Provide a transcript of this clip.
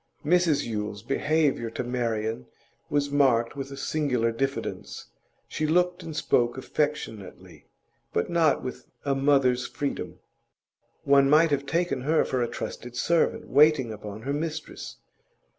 Mrs Yule's behaviour to Marian was marked with a singular diffidence; she looked and spoke affectionately, but not with a mother's freedom; one might have taken her for a trusted servant waiting upon her mistress.